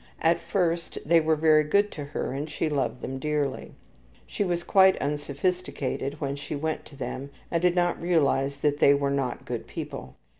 At first they were very good to her and she loved them dearly. She was quite unsophisticated when she went to them and did not realize then that they were not good people.